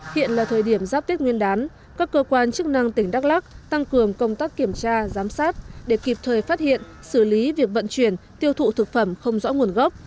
hiện là thời điểm giáp tết nguyên đán các cơ quan chức năng tỉnh đắk lắc tăng cường công tác kiểm tra giám sát để kịp thời phát hiện xử lý việc vận chuyển tiêu thụ thực phẩm không rõ nguồn gốc